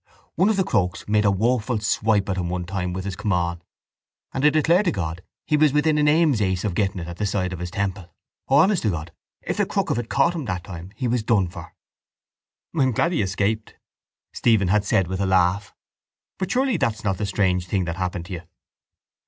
One of the Crokes made a woeful wipe at him one time with his caman and I declare to God he was within an aim's ace of getting it at the side of his temple. Oh, honest to God, if the crook of it caught him that time he was done for. —I am glad he escaped, Stephen had said with a laugh, but surely that's not the strange thing that happened you?